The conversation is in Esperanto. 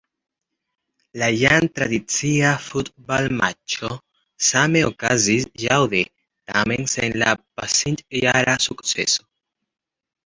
La jam tradicia futbalmaĉo same okazis ĵaŭde, tamen sen la pasintjara sukceso.